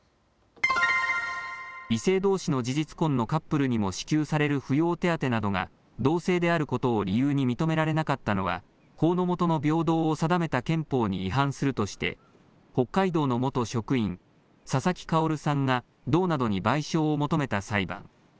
異性どうしの事実婚のカップルにも支給される扶養手当などが同性であることを理由に認められなかったのは法の下の平等を定めた憲法に違反するとして北海道の元職員佐々木カヲルさんが道などに賠償を求めた裁判。